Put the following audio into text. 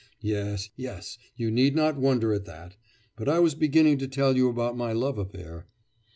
Yes, yes, you need not wonder at that. But I was beginning to tell you about my love affair.